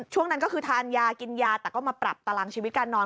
ช่วงนั้นก็คือทานยากินยาแต่ก็มาปรับตารางชีวิตการนอน